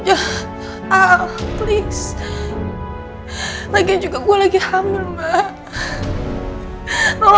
ah please lagi juga gue lagi hamil mbak